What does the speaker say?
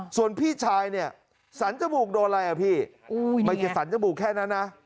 ส่วนพี่ชายสันจมูกโดนอะไรครับพี่ไม่คิดสันจมูกแค่นั้นน่ะ